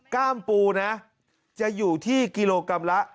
กล้ามปูนะจะอยู่ที่กิโลกรัมละ